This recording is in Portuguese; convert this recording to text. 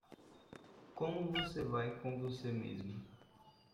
Como você vai com você mesmo?